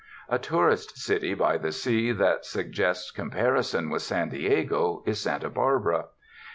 A tourist city by the sea that suggests compari son with San Diego is Santa Barl)ara.